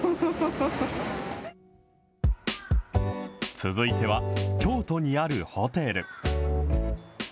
続いては、京都にあるホテル。